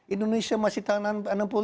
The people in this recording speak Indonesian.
indonesia masih tahunan enam puluh lima